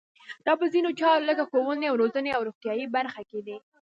دا په ځینو چارو لکه ښوونې او روزنې او روغتیایي برخه کې دي.